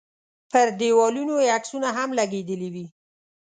پر دیوالونو یې عکسونه هم لګېدلي وي.